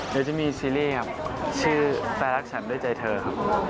เดี๋ยวจะมีซีรีส์ครับชื่อแฟนรักฉันด้วยใจเธอครับ